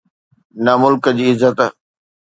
نه ملڪ جي عزت.